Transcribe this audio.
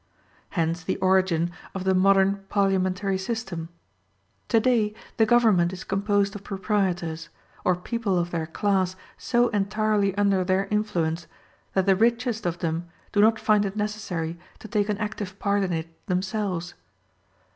Hence the origin of the modern parliamentary system. Today the government is composed of proprietors, or people of their class so entirely under their influence that the richest of them do not find it necessary to take an active part in it themselves.